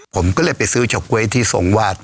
ผมก็เลยไปซื้อเฉาก๊วยที่ทรงวาด